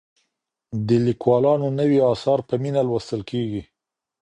د ليکوالانو نوي اثار په مينه لوستل کېږي.